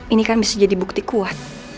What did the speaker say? ini kan bisa jadi bukti kuat